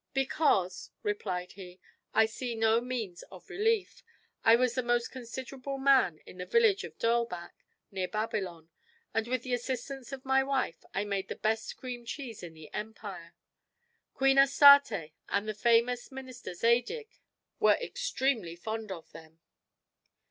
"Because," replied he, "I see no means of relief. I was the most considerable man in the village of Derlback, near Babylon, and with the assistance of my wife I made the best cream cheese in the empire. Queen Astarte and the famous minister Zadig were extremely fond of them."